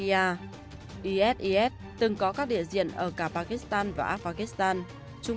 isis từng có các địa diện ở cả pakistan và afghanistan trung